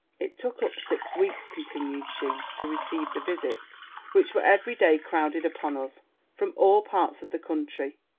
'It took up six weeks,' continued she, 'to receive the visits which were every day crowded upon us from all parts of the country.